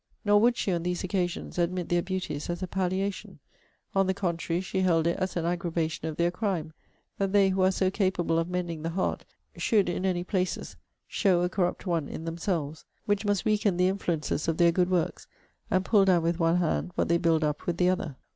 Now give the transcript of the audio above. Nor would she, on these occasions, admit their beauties as a palliation; on the contrary, she held it as an aggravation of their crime, that they who are so capable of mending the heart, should in any places show a corrupt one in themselves; which must weaken the influences of their good works; and pull down with one hand what they build up with the other.